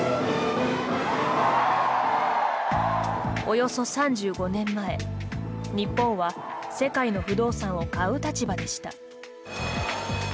およそ３５年前日本は世界の不動産を買う立場でした。